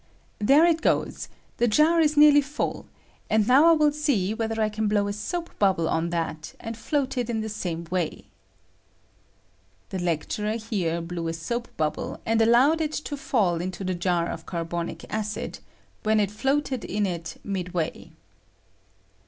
There it goes; the jar is nearly full, and now I will see whether I can blow a soap bubble on that and float it in the same way. [The lecturer here blew a soap bubble and allowed it to fall into the jar of J 162 DENBIT7 OF CABBOKIO ACID. carbonic acid, when it floated in it midway.